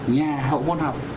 nhà hậu môn học